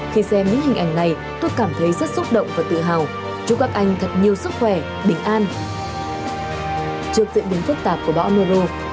khi xem những hình ảnh này tôi cảm thấy rất xúc động và tự hào